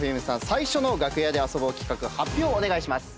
最初の楽屋で遊ぼう企画発表をお願いします。